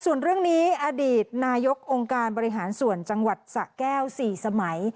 ส่วนเรื่องนี้อดีตนายกองค์การบริหารส่วนจังหวัดสะแก้ว๔สมัย